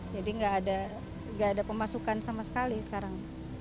jadi gak ada pemasukan sama sekali sekarang